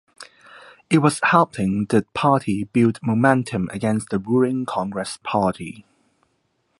It was helping the party build momentum against the ruling Congress Party.